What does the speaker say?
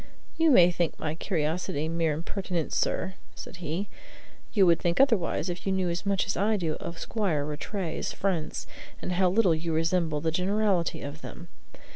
"You may think my curiosity mere impertinence, sir," said he; "you would think otherwise if you knew as much as I do of Squire Rattray's friends, and how little you resemble the generality of them.